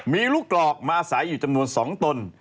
มีลูกกรอกมาใส่อยู่จำนวน๒ตน